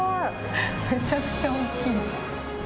めちゃくちゃ大きい。